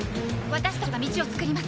私たちが道を作ります。